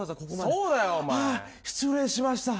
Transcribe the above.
そうだよお前。あっ失礼しました。